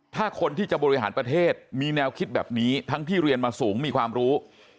ถ้าคนที่จะบริหารประเทศมีแนวคิดแบบนี้ทั้งที่เรียนมาสูงมีความรู้